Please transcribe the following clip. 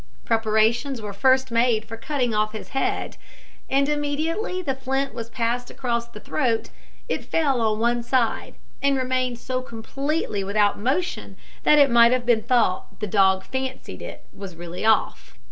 Preparations were first made for cutting off his head; and immediately the flint was passed across the throat it fell on one side, and remained so completely without motion that it might have been thought the dog fancied it was really off.